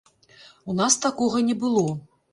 У нас такога не было!